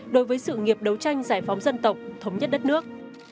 đối với sự nghiệp đấu tranh giải phóng dân tộc thống nhất đất nước